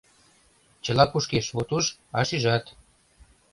Чыла кушкеш, от уж, а шижат.